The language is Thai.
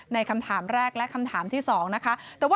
คำถามแรกและคำถามที่๒นะคะ